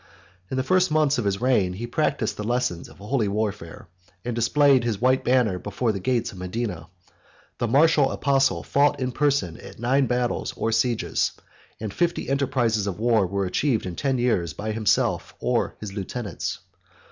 In the first months of his reign he practised the lessons of holy warfare, and displayed his white banner before the gates of Medina: the martial apostle fought in person at nine battles or sieges; 125 and fifty enterprises of war were achieved in ten years by himself or his lieutenants.